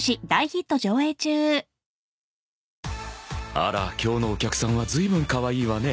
あら今日のお客さんはずいぶんかわいいわね